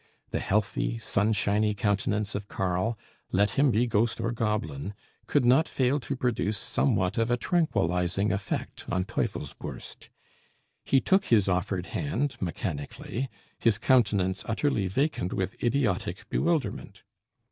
The healthy, sunshiny countenance of Karl, let him be ghost or goblin, could not fail to produce somewhat of a tranquillising effect on Teufelsbürst. He took his offered hand mechanically, his countenance utterly vacant with idiotic bewilderment.